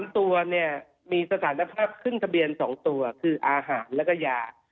ตัวเนี่ยมีสถานภาพขึ้นทะเบียน๒ตัวคืออาหารแล้วก็ยา